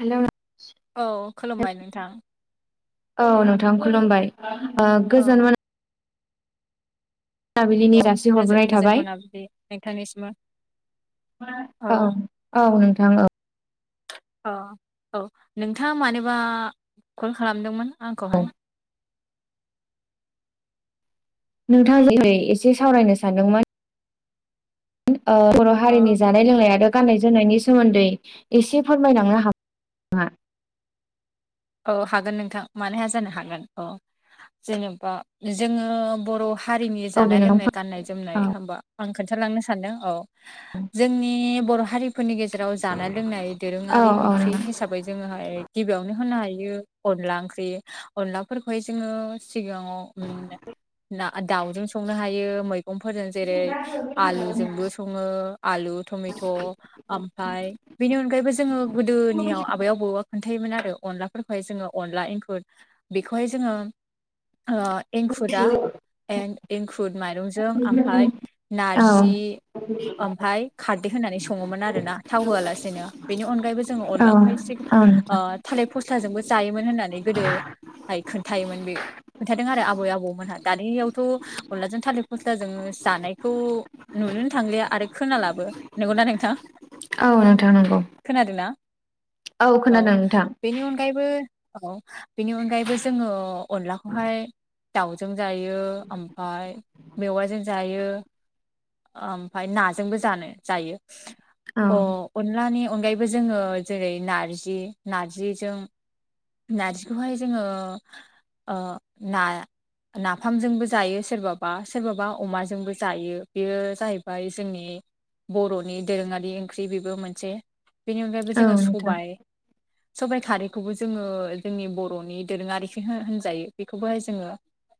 Hello नों औ खुलुमबाय नोंथां। औ नोंथां खुलुमबाय ओ औ गोजोन मोना औ जासिहरग्रोनाय नोजोर गोजोन थाबाय मोनाबदि नोंथांनिसिमबो। औ औ नोंथां औ। अ औ नोंथाङा मानोबा कल खालामदोंमोन? औ आंखौहाय। नोंथाङा जेरै एसे सावरायनो सानदोंमोन ओ बर' अ हारिनि जानाय लोंनायाथ' आरो गाननाय जोमनायनि सोमोन्दै एसे फोरमायलांनो हाग ना औ हागोन नोंथां मानोहा जानो हागोन औ जेनेबा जोङो बर' हारिनि औ दे जानाय लोंनाय नोंथां गाननाय जोमनाय औ होमबा आं खोन्थालांनो सानदों औ जोंनि बर' हारिफोरनि गेजेराव जानाय लोंनाय औ दोरोङारि ओंख्रि हिसाबै जोङोहाय गिबियावनो होनो हायो अनला ओंख्रि अनलाफोरखौहाय जोङो सिगाङाव ओम ना दाउजों संनो हायो मैगंफोरजों जेरै आलुजोंबो सङो आलु टमेट' ओमफाय बेनि अनगायैबो जोङो गोदोनियाव आबै आबौआ खोन्थायोमोन आरो अनलाफोरखौहाय जोङो अनला एंखुर बेखौहाय जोङो ओ एंखुरा एं-एंखुर माइरंजों ओमफफ्राय औ नारजि ओमफाय खारदै होनानै सङोमोन आरो ना थाव होआलासेनो बेनि अनगायैबो जोङो औ अनलाखौहाय से औ नोंथां । थालिर फस्लाजोंबो जायोमोन होननानै गोदो हाय खोन्थायोमोन बे खोनथादों आरो आबै आबौमोनहा दानियावथ' अनलाजों थालिर फ स्लाजों जानायखौ नुनोनो थांलिया आरो खोनालाबो ।नंगौना नोंथां औ नोंथां नंगौ खोनादोंना? औ खोनादों । बेनि अनगायैबो औ बेनि अनगायैबो जोङो अनलाखौहाय दाउजों जायो ओमफाय मेवाइजों जायो ओमफाय नाजोंबो जानो जायो । औ अ अनलानि अनगायैबो जोङो जेरै नारजि नारजिजों नारजिखौहाय जोङो ओ ना नाफामजोंबो जायो सोरबाबा सोरबाबा अमाजोंबो जायो । बेयो जाहैबाय जोंनि बर'नि दोरोङारि ओंख्रि बेबो मोनसे । बेनि अनगायैबो औ जोङो नोंथां सबाय सबाय खारैखौबो जों जोङो जोंनि बर'नि दोरोङारिसो हो होनजायो बेखौबोहाय जोङो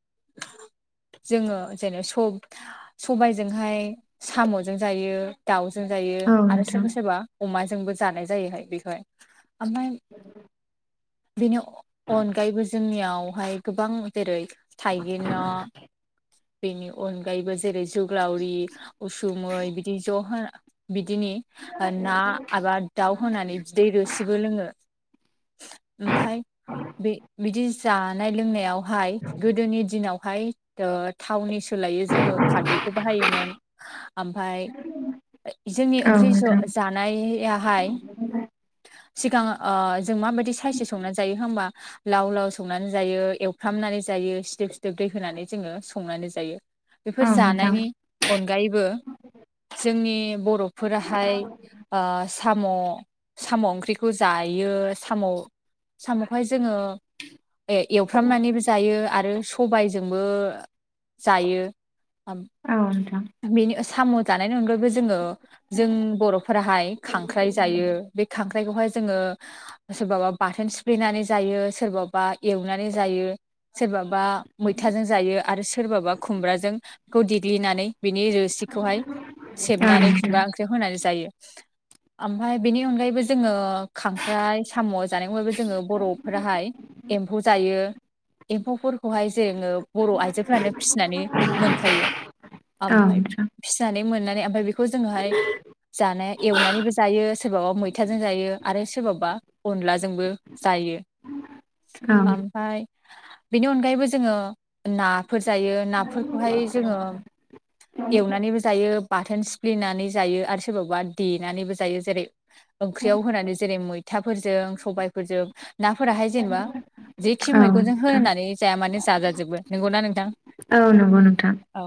[unintelligible] जोङो जेन स-सबायजोंहाय साम'जों जायो दाउ जों जायो औ आरो नोंथां सोरबा सोरबा अमाजोंबो जानाय जायोहाय बेखौहाय । ओमफाय बेनि अ- अनगायैबो जोंनियावहाय गोबां जेरै थाइगिर ना बेनि अनगायैबो जेरै जुग्लावरि उसुमै बिदि ज' हो बिदिनि ओ ना एबा दाउ होनानै बिदैै रोसिबो लोङो । ओमफाय बे बिदि जानाय लोंनायावहाय गोदोनि दिनावहाय ओ थावनि सोलायै खारदै खौ बाहायोमोन ओमफाय [inaudible] जोंनि औ ओंख्रि ज नोंथां जानायाहाय सिगां ओ जों माबायदि थाइसे संनानै जायो होनबा लाव लाव संनानै जायो एवफ्रामनानै जायो सिदोब सिदोब दै होनानै जों संनानै जायो । औ बेफोर नोंथां जानायनि अनगायैबो जोंनि बर'फोराहाय ओ साम' साम' ओंख्रिखौ जायो साम' साम'खौहाय जोङो ए- एवफ्रामनानैबो जायो आरो सबायजोंबो जायो । औ नोंथां । बेनि साम' जानायनि अनगा यैबो जोङो जों बर'फोराहाय खांख्राय जायो ।बे खां खांख्रायखौहाय जोङो सोरबाबा बाथोन सिफ्लेनानै जायो सोरबाबा एवनानै जायो। सोरबाबा मैथाजों जायो आरो सोरबाबा खुमब्राजों बेखौ देग्लिनानै बिनि रोसिखौहाय सेबनानै खुमब्रा ओंख्रियाव होनानै जायो। [inaudible] ओमफ्राय बेनि अनगायैबो जोङो खांख्राइ साम' जानायखौहायबो जोङो बर'फोराहाय एम्फौ जायो । एम्फौफोरखौहाय जोङो बर' आइजोफोरानो फिसिनानै मोनखायो। औ ओमफाय नोंथां फिसानै मोननानै ओमफ्राय बेखौ जोङोहाय जानाया एवनानैबो जायो सोरबाबा मैथाजों जायो आरो सोरबाबा अनलाजोंबो जायो। [inaudible] औ ओमफाय बेनि अनगायैबो जोङो नाफोर जायो नाफोरखौहाय जोङो एवनानैबो जायो बाथोन सिफ्लेनानै जायो आरो सोरबाबा देनानैबो जायो। जेरै ओंख्रियाव होनानै जेरै मैथाफोरजों सबायफोरजों नाफोराहाय जेनेबा जेखि औ मैगंजों नोंथां होनानै जाया मानो जाजाजोबो। नोंगौना नोंथां? औ नोंगौ नोंथां। औ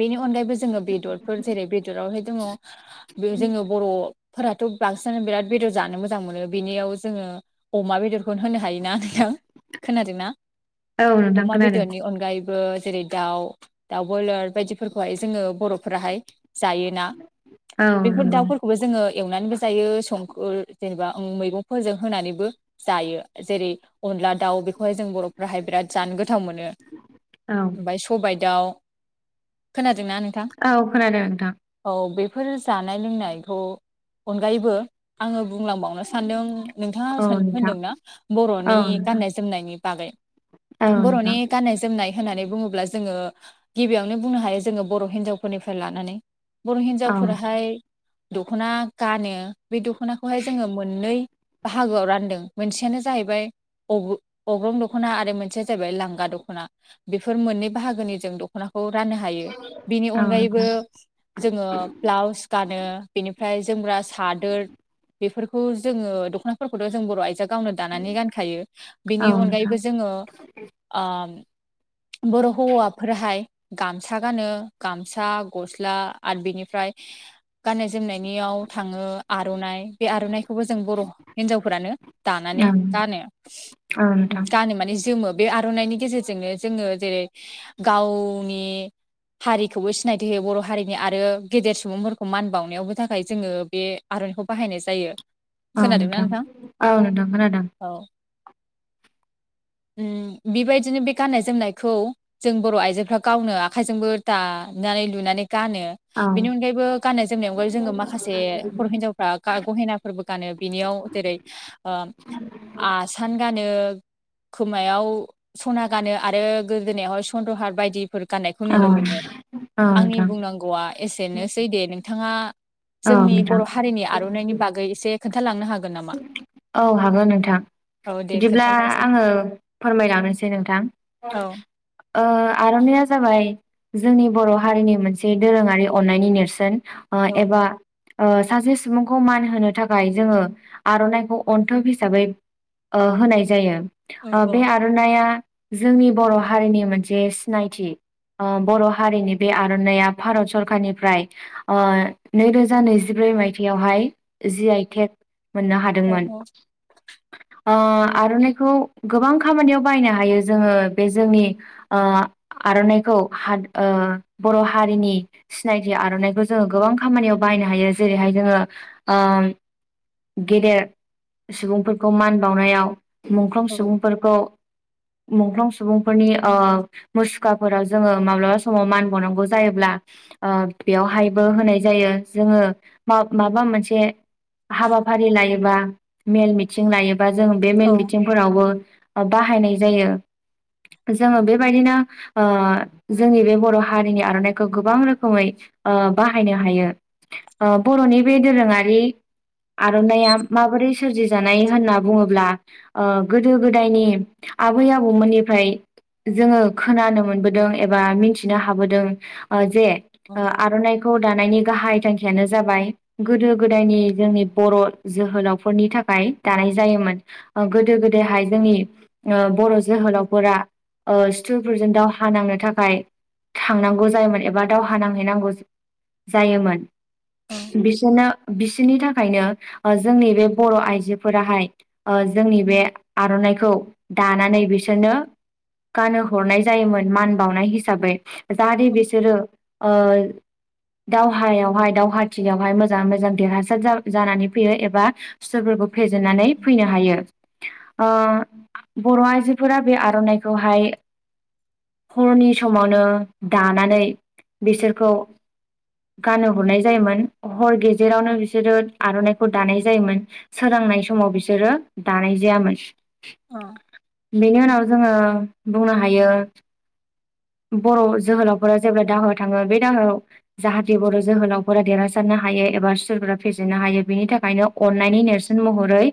बेनि अनगायैबो जोङो बेदरफोर जेरै बेदरावहाय दङ बे जोङो बर'फोराथ' बांसिनानो बिराद बेदर जानो मोजां मोनो बेनियाव जोङो अमा बेदरखौ होनो हायोना नोंथां। खोनादोंना। औ नोंथां अमा खोनादों बेदरनि अनगायैबो जेरै दाउ दाउ बयलार बायदिफोरखौहाय जोङो बर'फोराहाय जायोन।ा औ बेफोर नंगौ दाउफोरखौबो जोङो एवनानैबो जायो संख जेनेबा मैगंफोरजों होनानैबो जायो। जेरै अनला दाउ बेखौहाय जों बर'फोराहाय बिराद जानो गोथाव मोनो। औ ओमफाय सबाइ दाउ खोनादोंना नों औ खोनादों नोंथां औ बेफोर जानाय लोंनायखौ अनगायैबो आङो बुंलांबावनो सानदों नोंथाङा औ नोंथां होनदोंना औ बर'नि नोंथां गाननाय जोमनायनि बागै। औ बर'नि नोंथां गान्नाय जोमनाय होननानै बुङोब्ला जोङो गिबियाव नो बुंनो हायो जोङो बर' हावफोरनि लानानै। बर' औ हिनजावफोराहाय दख'ना गानो बे दख'नाखौहाय जोङो मोननै बाहागोआव रानदों मोनसेयानो जाहैबाय अग'-अग्रं दख'ना आरो मोनसेया जाहैबाय लांगा दख'ना। बेफोर मोननै बाहागोनि जों दख'ना खौ राननो हायो। बेनि औ अनगायैबो नोंथां जोङो ब्लाउस गानो बेनिफ्राय जो मग्रा सादोर बेफोरखौ जोङो दख'नाफोरखौथ' जों गोबां आइजोआ गावनो दानानै गानखायो। औ नोंथां बिनि औ नोंथां अनगायैबो जोङो ओम बर' हौवाफोरहाय गामसा गानो। गामसा गस्ला आरो बिनिफ्राय गाननाय जोमनायनियाव थाङो आर'नाइ बे आर'नाइखौबो जों बर' हिनजावफोरानो दानानै गानो। औ नोंथां गानो माने जोमो। बे आर'नाइनि गेजेरजोंनो जोङो जेरै गावनि बे हारिखौबो सिनायथि होयो बर' हारिनि आरो गेदेर सुबुंफोरखौ मान बावनायावबो थाखाय जोङो बे आ र'नाइखौ बाहायनाय जायो। औ नोंथां औ नोंथां खोनादों। औ बेबायदिनो बे गाननाय जोमनायखौ जों बर' आइजोफ्रा गावनो आखाइजोंबो दानानै लुनानै गानो। औ बेनि अनगायैबो गाननाय जोमनाय अनगायै जोङो माखासे बर' हिन्जावफ्रा गहेनाफोरबो गानो। बिनियाव जेरै ओ आसान गानो खोमायाव सना गानो आरो गोदोनायावहाय सन्द्रहार बायदि फोर गाननायखौ नुनो औ मोनो। नोंथां औ आंनि नोंथां बुंनांगौआ एसेनोसै दे नोंथाङा जोंनि बर' औ हारिनि आर'नाइनि बागै एसे खोन्थालांनो हा औ हागोन नोंथां। औ दे बिदिब्ला खोन्थालायसै आङो फोरमायलांनोसै नोंथां। औ ओ आर'नाइया जाबाय जोंनि बर' हारिनि मोनसे दोरोङारि अन्नायनि नेरसोन। ओ औ एबा ओ सासे सुबुंखौ मान होनो थाखाय जोङो आर'नाइखौ अन्थोब हिसाबै ओ होनाय जायो। औ ओबे औ आर'नाइया जोंनि बर' हारिनि मोनसे सिनायथि। अ बर' हारिनि बे आर'नाइया भारत सरखारनिफ्राय ओ नैरोजा नैजि ब्रै मायथाइयावहाय जि आइ टेक मोननो हादोंमोन। औ ओ आर'नाइखौ गोबां खामानियाव बायनो हायो जोङो बे जोंनि ओ आरन'नाइखौ हा बर' हारिनि सिनायथि आर'नाइखौ जोङो गोबां खामानियाव बाहाय नायनो हायो। जेरै हाय जोङो ओ गेदेर सुबुंफोरखौ मान बावनायाव मुंख्लं औ सुबुंफोरखौ मुंख्लं सुबुंफोरनि ओ मुसुखाफोराव जोङो माब्लाबा समाव मान बावनांगौ जायोब्ला आ ओ बेयावहायबो होनाय जायो जोङो मा माबा मोनसे हाबाफारि लायोबा मेल मिथिं लायोबा जों बे मेल औ मिथिंफोरावबो ओ बाहायनाय जायो । जोङो बेबायदिनो ओ जोंनि बे बर' हारिनि आर'ननाइखौ गोबां रोखोमै ओ बाहायनो हायो ओ बर'नि बे दोरोङारि । आर'ननाइया माबोरै सोरजि जानाय होनना बुङोब्ला ओ गोदो गोदायनि आ आबै आबौमोननिफ्राय जोङो खोनानो मोनबोदों एबा मिथिनो हाबोदों ओ जे अ आर'नाइखौ दानायनि गाहाय थांखियानो जाबाय गोदो गोदायनि जोंनि बर' जोहोलावफोरनि थाखाय दानाय जायोमोन ओ गोदो गोदायहाय जोंनि ओ बर' जोहोलावफोरा ओ स्टुरफोरजों दावहा नांनो थाखाय थांनांगौ जायोमोन एबा दावहा नांहैनांगौ जायोमोन । बिसोरना बिसोरनि थाख खायनो ओ जोंनि बे बर' आइजोफोराहाय ओ जोंनि बे आर'नाइखौ दानानै बिसोरनो गान हरनाय जायोमोन मान बावनाय हिसाबै जाहाथे बिसोरो ओ दावहायावहाय दावहाथिलियावहाय मोजाङै मोजां देरहासार जाग जानानै फैयो एबा सुथुरफोरखौ फेजेननानै फैनो हायो। ओ बर' आइजोफोरा बे आर'ननाइखौहाय । हरनि समावनो दानानै बिसोरखौ गान हरनाय जायोमोन हर गेजेरावनो बिसोरो आर'ननाइखौ दानाय जायोमोन सोरांनाय समाव बिसोरो दानाय जायामोन अ । बेनि उनाव जोङो बुंनो हायो बर' जोहोलावफोरा जेब्ला दाहा थाङो बे दाहायाव जाहाथे बर' जोहोलावफोरा देरहासारनो हायो । एबा सोरगा फेजेननो हायो बिनि थाखायनो अन्नायनि नेरसोन महरै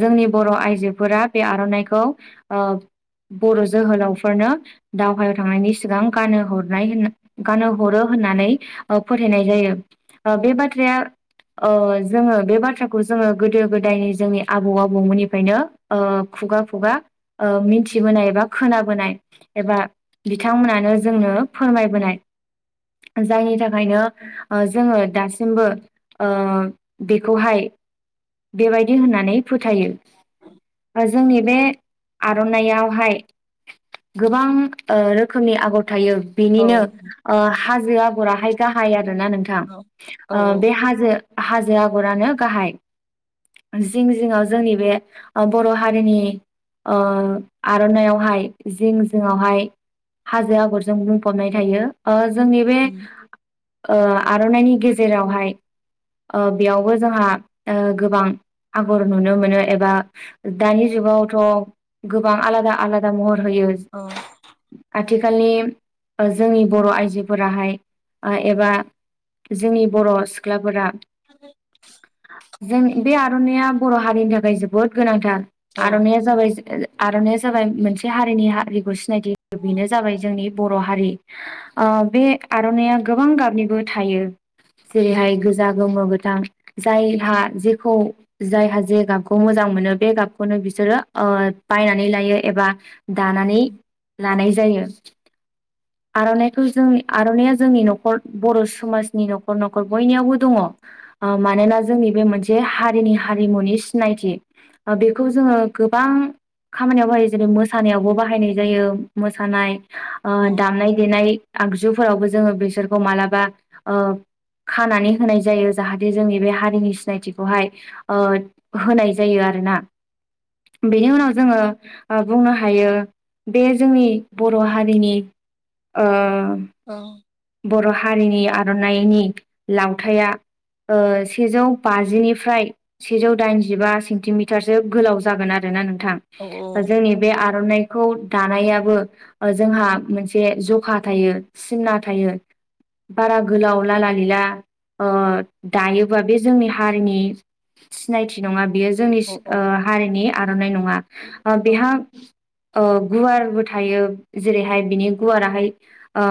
जोंनि बर' आइजोफोरा बे आर'ननाइखौ ओ बर' जोहोलावफोरनो दावहायाव थांनायनि सिगां गानो हरनाय होन गानो हरो होननानै ओ फोथायनाय जायो ओ बे बाथ्राया । ओ जोङो बे बाथ्राखौ जोङो गोदो गोदायनि जोंनि आबौ आबौमोननिफ्रायनो ओ खु खुगा खुगा ओ मिथिबोनाय एबा खोनाबोनाय एबा बिथांमोनानो जोंनो उम फोरमायबोनाय जायनि थाखायनो ओ जोङो दासिमबो ओ बेखौहाय बेबायदि होननानै फोथायो । ओ जोंनि बे आर'ननायावहाय गोबां ओ रोखोमनि आगर थायो औ बेनिनो ओ हाजो आगराहाय गाहाय आरो । ना नोंथां औ औ ओ बे हाजो हाथों आगरानो गाहाय । जिं जिङाव जोंनि बे ओ बर' हारिनि । ओ आर'ननायावहाय जिं जिङावहाय हाजो आगरजों बुंफबनाय थायो ओ ज जोंनि बे उम ओ आरन'नाइनि गेजेरावहाय । ओ बेयावबो जोंहा ओ गोबां आगर नुनो मोनो एबा दानि जुगावथ' गोबां आलादा आलादा महर होयो औ आ आथिखालनि ओ जोंनि बर' आइजोफोराहाय ओ एबा जोंनि बर' सिख्लाफोरा [unintelligible] जों बे आर'नाइया बर' हारिनि थाखाय जोबोद गोनांथार औ आर'नाइया जाबाय [unintelligible] आर'नाया जाबाय मोनसे हारिनि हारिखौ सिनायथि बेनो जाबाय जोंनि बर' हारि ओ ओ बे आर'नाया गोबां गाबनिबो थायो जेरैहाय गोज आ गोमो गोथां जायहा जेखौ जायहा जे गाबखौ मोजां मोनो बे गाबखौनो बिसोरो ओ बायनानै लायो एबा दानानै लानाय जायो। आर'नाइखौ जों आर'नाइया जोंनि न'खर बर' समाजनि न'खर न'खर बयनियावबो दङ। ओ मानोना जोंनि बे मोनसे हारिनि हारिमुनि सिनायथि। बेखौ जोङो गोबां खामानियाव बाहायो जेरै मोसानायावबो बाहायनाय जायो मोसानाय ओ अ औ दामनाय देनाय आगजुफोरावबो जोङो बिसोरखौ मालाबा ओ खानानै होनाय जायो जाहाथे जोंनि बे हारिनि सिनायथिखौहाय ओ होनाय जायो आ आरोना बेनि उनाव जोङो बुंनो हायो। बे जोंनि बर' हारिनि ओ औ बर' हारिनि आर'नाइनि लावथाया ओ सेजौ बाजिनिफ्राय सेजौ दाइनजिबा सेन्टिमिटारसो गोलाव जागोन आरो ना नों थां औ जोंनि बे आर'नाइ खौ दानायाबो जोंहा मोनसे जखा थायो सिमना थायो। बारा गोलाव लाला लिला ओ दायोबा बे जोंनि हारिनि सिनायथि नङा बेयो जोंनि औ सि ओ हारिनि आर'नाइ नङा ओ बेहा ओ गुवारबो थायो जेरैहाय बिनि गुवाराहाय ओ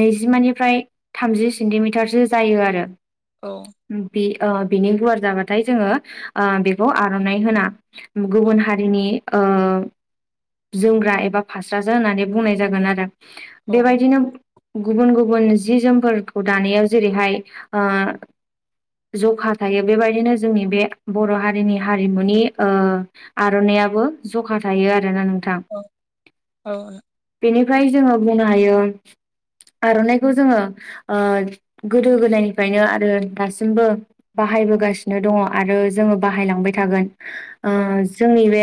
नैजिमानिफ्राय थामजि सेन्टिमिटारसो जायो आरो। बि ओ बिनि गुवार जाबाथाय जोङो ओ बेखौ आर'नाइ होना गुबुन हारिनि ओ जोमग्रा एबा फास्राजो होननानै बुंनाय जागोन आरो। बेबायदिनो गुबुन गुबुन जि जोमफोरखौ दानायाव जेरैहाय ओ जखा थायो बेबायदिनो जोंनि बे बर' हारिनि हारिमुनि ओ आर'नाइ याबो जखा थायो आरो ना नो औ औ ओमफाय जोङो बुंनो हायो आर'नाइखौ जोङो ओ गोदो गोदायनिफ्रायनो आरो दासिमबो। बाहायबोगासिनो दङ आरो जोङो बाहायलांबाय थागोन ओ औ जोंनि बे